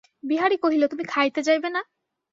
বিহারী কহিল, তুমি খাইতে যাইবে না?